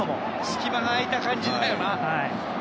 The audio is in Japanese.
すき間が空いた感じだよな。